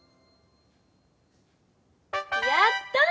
やった！